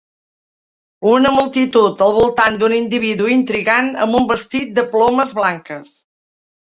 Una multitud al voltant d'un individu intrigant amb un vestit de plomes blanques.